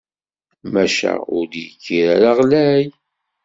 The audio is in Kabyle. Maca ur d-yekkir ara ɣlay?